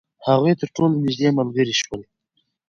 هغوی تر ټولو نژدې ملګري شول.